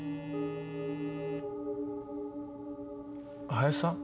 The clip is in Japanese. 林さん？